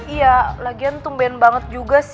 iya lagian tumben banget juga sih